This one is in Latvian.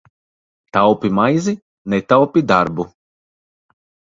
Taupi maizi, netaupi darbu!